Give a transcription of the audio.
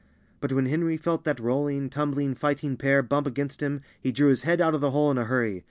But when Henry felt that rolling, tumbling, fighting pair bump against him he drew his head out of the hole in a hurry.